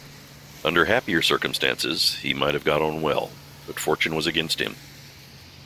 Under happier circumstances he might have got on well, but fortune was against him.